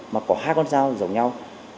mà có hai con dao giống nhau